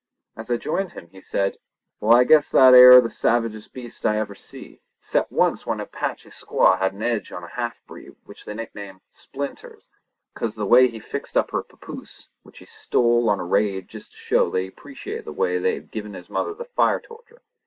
As I joined him, he said: "Wall, I guess that air the savagest beast I ever see—'cept once when an Apache squaw had an edge on a half breed what they nicknamed 'Splinters' "cos of the way he fixed up her papoose which he stole on a raid just to show that he appreciated the way they had given his mother the fire torture.